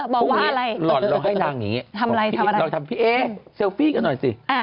บอกว่าหล่อนเราให้นางอย่างนี้เราทำพี่เอ๊เซลฟี่กันหน่อยสิ